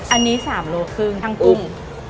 อันนี้๓โลครึ่งทั้งกุ้ง